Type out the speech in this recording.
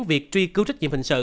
việc truy cứu trích nhiệm hình sự